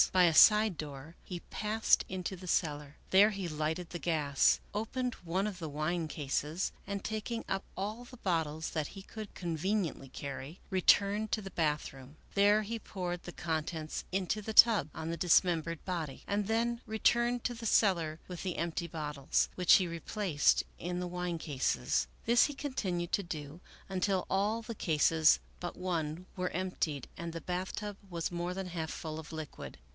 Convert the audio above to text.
By a side door he passed into the cellar. There he lighted the gas, opened one of the wine cases, and, taking i:p all the bottles that he could conveniently carry, returned to the bathroom. There he poured the contents into the tub on the dismembered body, and then returned to the cellar with the empty bottles, which he replaced in the wine cases. This he continued to do until all the cases but one were emptied and the bath tub was more than half full of liquid.